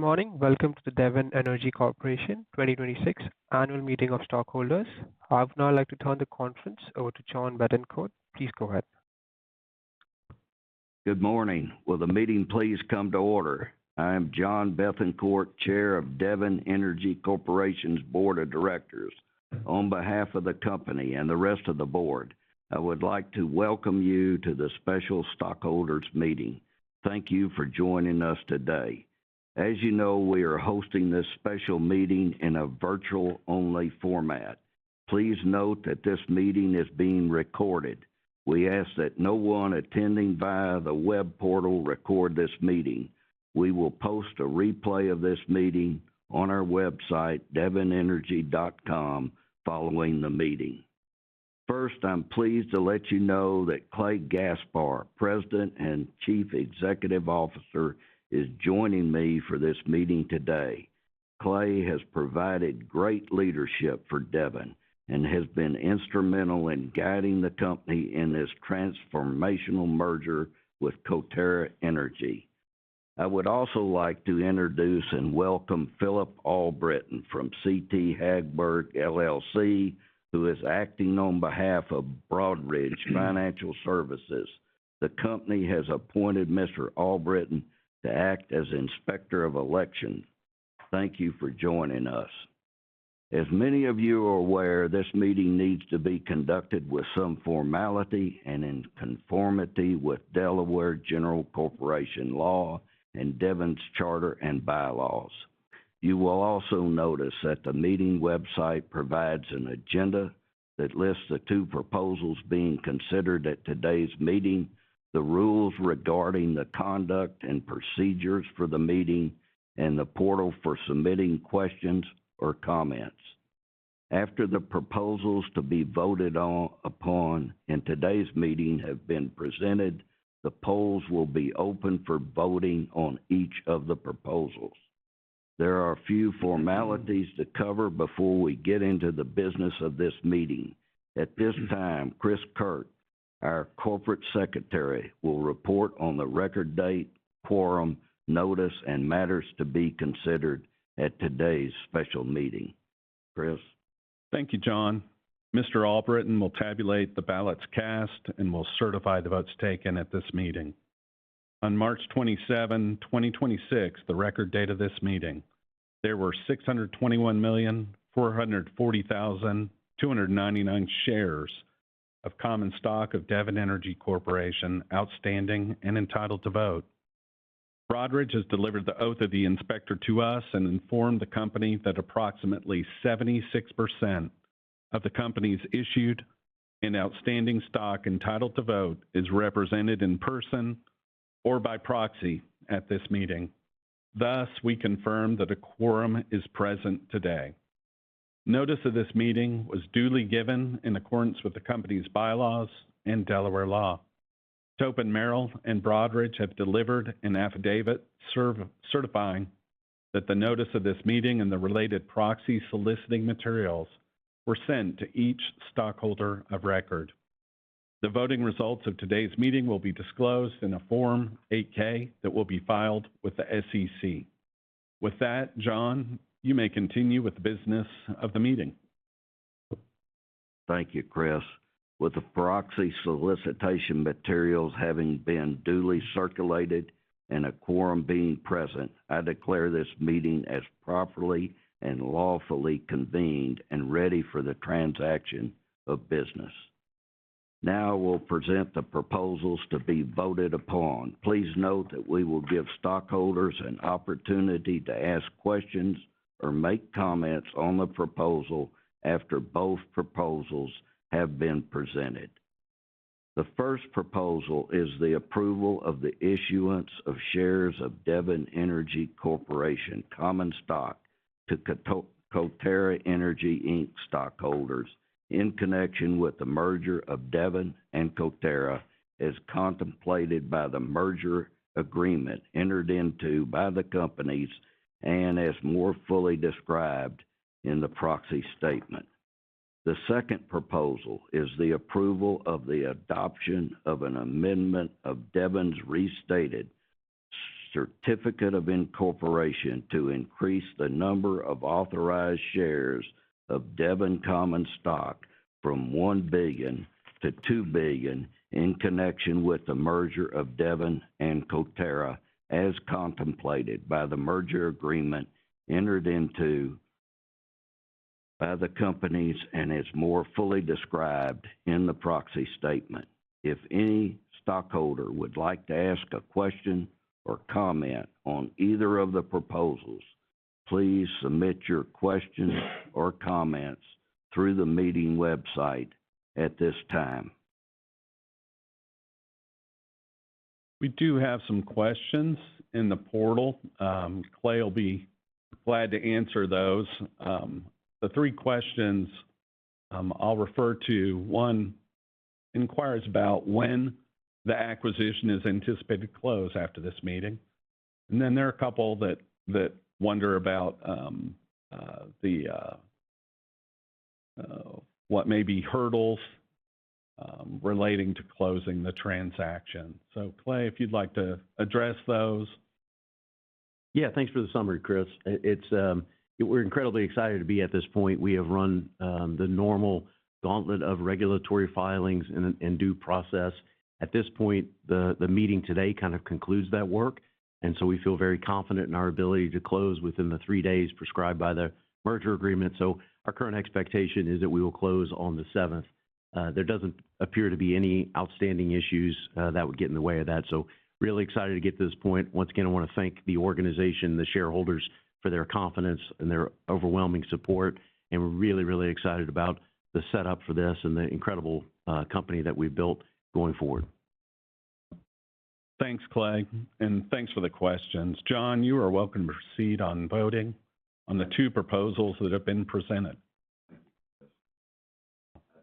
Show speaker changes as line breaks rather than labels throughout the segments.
Morning. Welcome to the Devon Energy Corporation 2026 Annual Meeting of Stockholders. I would now like to turn the conference over to John Bethancourt. Please go ahead.
Good morning. Will the meeting please come to order? I'm John Bethancourt, Chair of Devon Energy Corporation's Board of Directors. On behalf of the company and the rest of the Board, I would like to welcome you to the special stockholders meeting. Thank you for joining us today. As you know, we are hosting this special meeting in a virtual-only format. Please note that this meeting is being recorded. We ask that no one attending via the web portal record this meeting. We will post a replay of this meeting on our website, devonenergy.com, following the meeting. First, I'm pleased to let you know that Clay Gaspar, President and Chief Executive Officer, is joining me for this meeting today. Clay has provided great leadership for Devon and has been instrumental in guiding the company in this transformational merger with Coterra Energy. I would also like to introduce and welcome Phillip Allbritten from CT Hagberg LLC, who is acting on behalf of Broadridge Financial Services. The company has appointed Mr. Allbritten to act as Inspector of Election. Thank you for joining us. As many of you are aware, this meeting needs to be conducted with some formality and in conformity with Delaware General Corporation Law and Devon's charter and bylaws. You will also notice that the meeting website provides an agenda that lists the two proposals being considered at today's meeting, the rules regarding the conduct and procedures for the meeting, and the portal for submitting questions or comments. After the proposals to be voted on, upon in today's meeting have been presented, the polls will be open for voting on each of the proposals. There are a few formalities to cover before we get into the business of this meeting. At this time, Chris Kirt, our Corporate Secretary, will report on the record date, quorum, notice, and matters to be considered at today's special meeting. Chris?
Thank you, John. Mr. Allbritten will tabulate the ballots cast and will certify the votes taken at this meeting. On March 27, 2026, the record date of this meeting, there were 621,440,299 shares of common stock of Devon Energy Corporation outstanding and entitled to vote. Broadridge has delivered the oath of the inspector to us and informed the company that approximately 76% of the company's issued and outstanding stock entitled to vote is represented in person or by proxy at this meeting. Thus, we confirm that a quorum is present today. Notice of this meeting was duly given in accordance with the company's bylaws and Delaware law. Toppan Merrill and Broadridge have delivered an affidavit certifying that the notice of this meeting and the related proxy soliciting materials were sent to each stockholder of record. The voting results of today's meeting will be disclosed in a Form 8-K that will be filed with the SEC. With that, John, you may continue with the business of the meeting.
Thank you, Chris. With the proxy solicitation materials having been duly circulated and a quorum being present, I declare this meeting as properly and lawfully convened and ready for the transaction of business. Now we'll present the proposals to be voted upon. Please note that we will give stockholders an opportunity to ask questions or make comments on the proposal after both proposals have been presented. The first proposal is the approval of the issuance of shares of Devon Energy Corporation common stock to Coterra Energy Inc. stockholders in connection with the merger of Devon and Coterra as contemplated by the merger agreement entered into by the companies and as more fully described in the proxy statement. The second proposal is the approval of the adoption of an amendment of Devon's restated certificate of incorporation to increase the number of authorized shares of Devon common stock from 1 billion to 2 billion in connection with the merger of Devon and Coterra Energy as contemplated by the merger agreement entered into by the companies and is more fully described in the proxy statement. If any stockholder would like to ask a question or comment on either of the proposals, please submit your questions or comments through the meeting website at this time.
We do have some questions in the portal. Clay will be glad to answer those. The three questions I'll refer to. One inquires about when the acquisition is anticipated to close after this meeting. There are a couple that wonder about what may be hurdles relating to closing the transaction. Clay, if you'd like to address those.
Yeah. Thanks for the summary, Chris. It's incredibly excited to be at this point. We have run the normal gauntlet of regulatory filings and due process. At this point, the meeting today kind of concludes that work. We feel very confident in our ability to close within the three days prescribed by the merger agreement. Our current expectation is that we will close on the 7th. There doesn't appear to be any outstanding issues that would get in the way of that. Really excited to get to this point. Once again, I wanna thank the organization, the shareholders for their confidence and their overwhelming support, and we're really excited about the setup for this and the incredible company that we've built going forward.
Thanks, Clay. Thanks for the questions. John, you are welcome to proceed on voting on the two proposals that have been presented.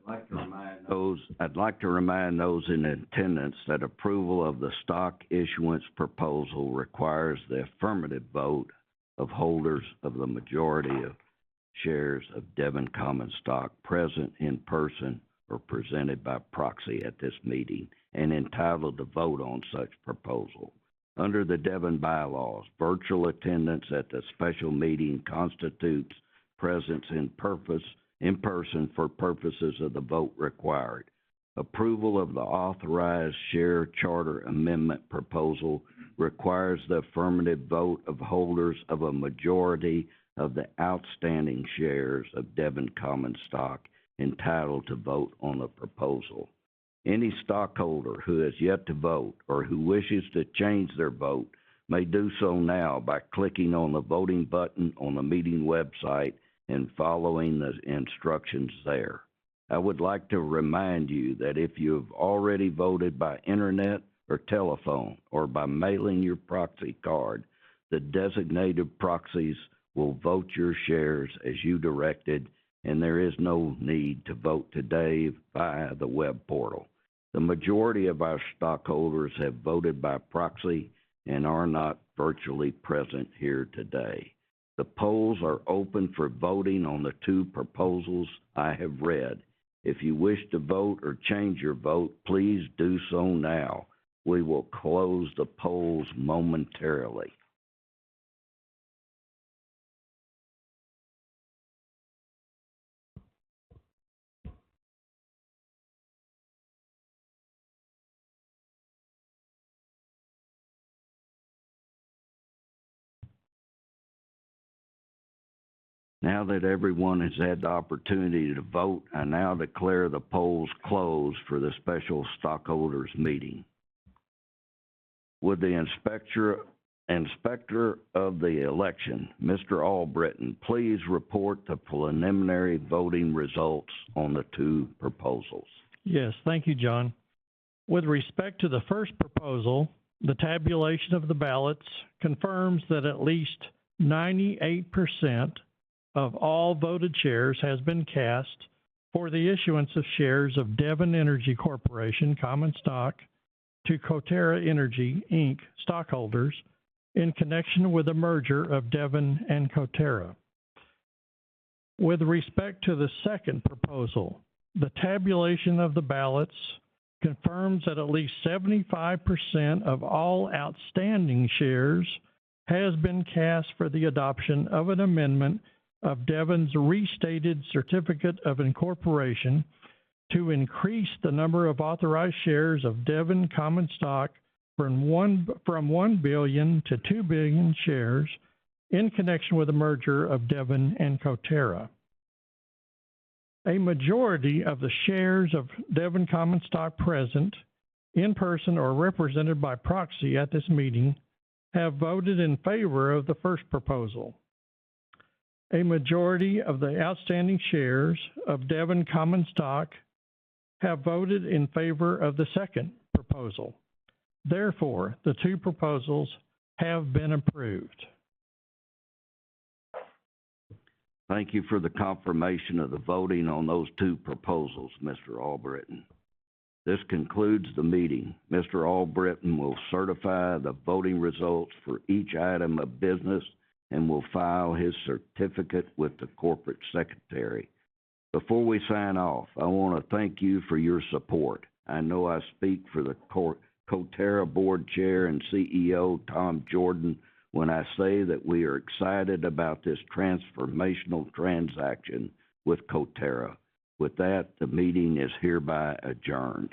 I'd like to remind those in attendance that approval of the stock issuance proposal requires the affirmative vote of holders of the majority of shares of Devon common stock present in person or presented by proxy at this meeting and entitled to vote on such proposal. Under the Devon bylaws, virtual attendance at the special meeting constitutes presence in-person for purposes of the vote required. Approval of the authorized share charter amendment proposal requires the affirmative vote of holders of a majority of the outstanding shares of Devon common stock entitled to vote on the proposal. Any stockholder who has yet to vote or who wishes to change their vote may do so now by clicking on the voting button on the meeting website and following the instructions there. I would like to remind you that if you've already voted by internet or telephone or by mailing your proxy card, the designated proxies will vote your shares as you directed, and there is no need to vote today via the web portal. The majority of our stockholders have voted by proxy and are not virtually present here today. The polls are open for voting on the two proposals I have read. If you wish to vote or change your vote, please do so now. We will close the polls momentarily. Now that everyone has had the opportunity to vote, I now declare the polls closed for the special stockholders meeting. Would the inspector of the election, Mr. Allbritten, please report the preliminary voting results on the two proposals.
Yes. Thank you, John. With respect to the first proposal, the tabulation of the ballots confirms that at least 98% of all voted shares has been cast for the issuance of shares of Devon Energy Corporation common stock to Coterra Energy Inc. stockholders in connection with the merger of Devon and Coterra. With respect to the second proposal, the tabulation of the ballots confirms that at least 75% of all outstanding shares has been cast for the adoption of an amendment of Devon's restated certificate of incorporation to increase the number of authorized shares of Devon common stock from 1 billion to 2 billion shares in connection with the merger of Devon and Coterra. A majority of the shares of Devon common stock present in person or represented by proxy at this meeting have voted in favor of the first proposal. A majority of the outstanding shares of Devon common stock have voted in favor of the second proposal. The two proposals have been approved.
Thank you for the confirmation of the voting on those two proposals, Mr. Allbritten. This concludes the meeting. Mr. Allbritten will certify the voting results for each item of business and will file his certificate with the Corporate Secretary. Before we sign off, I wanna thank you for your support. I know I speak for the Coterra Board Chair and CEO, Tom Jorden, when I say that we are excited about this transformational transaction with Coterra. With that, the meeting is hereby adjourned.